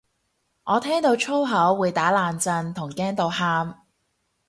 我聽到粗口會打冷震同驚到喊